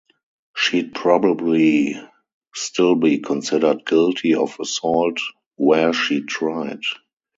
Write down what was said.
She’d probably still be considered guilty of assault were she tried.